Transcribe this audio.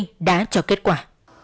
chúng tôi đã cho kết quả